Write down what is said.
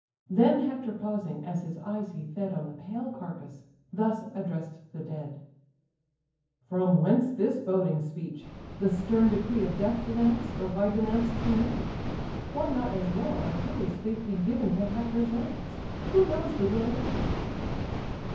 Then Hector pausing, as his eyes he fed On the pale carcase, thus address'd the dead: "From whence this boding speech, the stern decree Of death denounced, or why denounced to me? Why not as well Achilles' fate be given To Hector's lance? Who knows the will of heaven?"